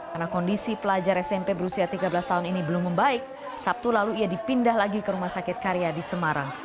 karena kondisi pelajar smp berusia tiga belas tahun ini belum membaik sabtu lalu ia dipindah lagi ke rumah sakit karya di semarang